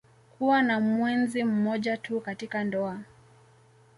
Kuwa na mwenzi mmoja tu katika ndoa